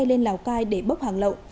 lên lào cai để bốc hàng lậu